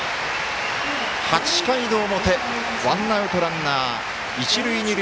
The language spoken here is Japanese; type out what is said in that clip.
８回の表、ワンアウトランナー、一塁二塁。